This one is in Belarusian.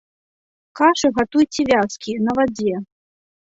Кашы гатуйце вязкія, на вадзе.